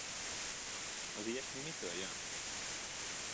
Az ilyesmi mitől jön?